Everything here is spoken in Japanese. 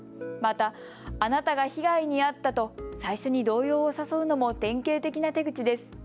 また、あなたが被害に遭ったと最初に動揺を誘うのも典型的な手口です。